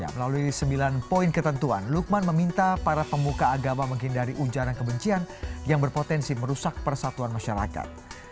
melalui sembilan poin ketentuan lukman meminta para pemuka agama menghindari ujaran kebencian yang berpotensi merusak persatuan masyarakat